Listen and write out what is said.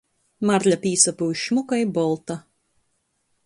Marle pīsapyuš šmuka i bolta.